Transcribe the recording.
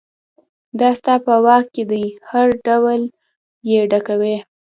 دا ستا په واک کې دي چې هر ډول یې ډکوئ.